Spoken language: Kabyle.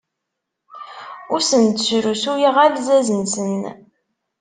Ur asen-d-srusuyeɣ alzaz-nsen.